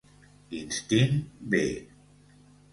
Instint b